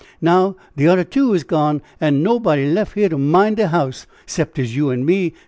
Now de od er two is gone, an' nobody lef here to mine de house, 'cept 'tis you an' me!